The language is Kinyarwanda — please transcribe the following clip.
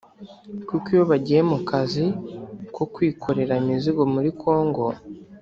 kuko iyo bagiye mu kazi ko kwikorera imizigo muri Kongo